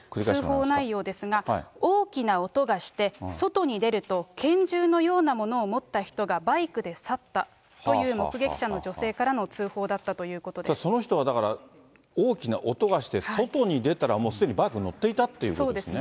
通報内容ですが、大きな音がして外に出ると、拳銃のようなものを持った人がバイクで去ったという目撃者の女性その人は、だから大きな音がして外に出たら、もうすでにバイクに乗っていたということですね。